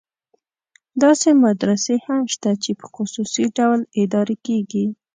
داسې مدرسې هم شته چې په خصوصي ډول اداره کېږي.